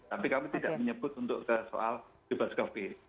tapi kami tidak menyebut untuk soal bebas covid